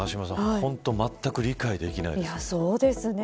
まったく理解できないですね。